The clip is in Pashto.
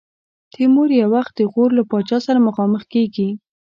تیمور یو وخت د غور له پاچا سره مخامخ کېږي.